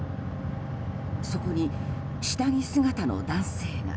そこに下着姿の男性が。